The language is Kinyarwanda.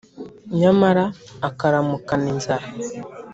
nyamara akaramukana inzara,